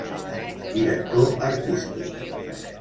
Director artístic: